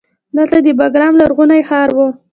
دلته د بیګرام لرغونی ښار و